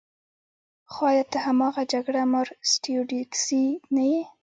خو ایا ته هماغه جګړه مار سټیو ډیکسي نه یې